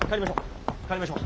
帰りましょう！